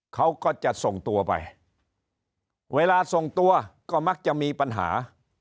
เขาก็จะส่งตัวไปเวลาส่งตัวก็มักจะมีปัญหา